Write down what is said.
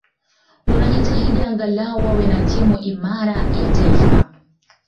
wanajitahidi angalau wawe na timu imarabya ya taifa